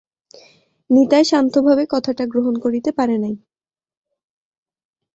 নিতাই শান্তভাবে কথাটা গ্রহণ করিতে পারে নাই।